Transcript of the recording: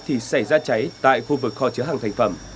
thì xảy ra cháy tại khu vực kho chứa hàng thành phẩm